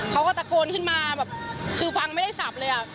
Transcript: เขาก็ตะโกนขึ้นมาแบบคือฟังไม่ได้สับเลย